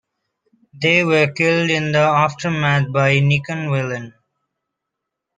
They were killed in the aftermath by Nikan Wailan.